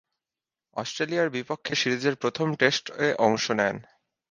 অস্ট্রেলিয়ার বিপক্ষে সিরিজের প্রথম টেস্টে অংশ নেন।